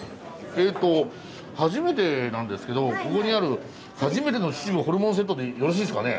初めてなんですけどここにある「初めての秩父ホルモンセット」でよろしいですかね？